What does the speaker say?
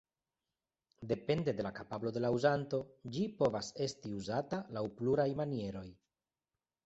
Depende de la kapablo de la uzanto, ĝi povas esti uzata laŭ pluraj manieroj.